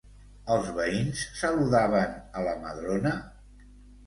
Els veïns saludaven a la Madrona?